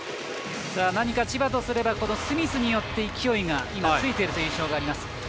千葉とすればスミスによって勢いがついているという印象があります。